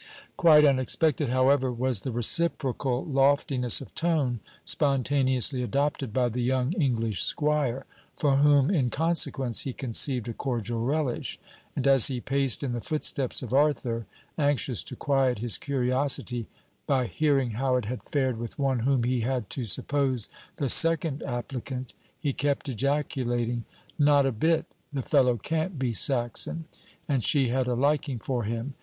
Quite unexpected, however, was the reciprocal loftiness of tone spontaneously adopted by the young English squire, for whom, in consequence, he conceived a cordial relish; and as he paced in the footsteps of Arthur, anxious to quiet his curiosity by hearing how it had fared with one whom he had to suppose the second applicant, he kept ejaculating: 'Not a bit! The fellow can't be Saxon! And she had a liking for him.